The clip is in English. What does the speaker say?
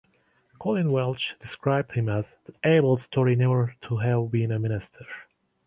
Colin Welch described him as "the ablest Tory never to have been a minister".